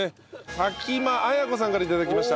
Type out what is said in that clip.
崎間彩子さんから頂きました。